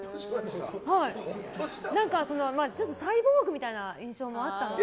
何かサイボーグみたいな印象もあったので。